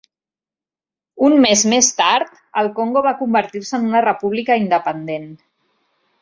Un mes més tard, el Congo va convertir-se en una república independent.